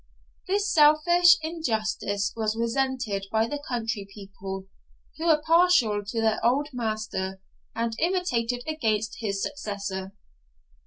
This selfish injustice was resented by the country people, who were partial to their old master, and irritated against his successor.